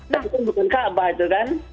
tapi kan bukan kaabah itu kan